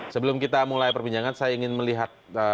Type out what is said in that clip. sebelum kita mulai perbincangan saya ingin melihat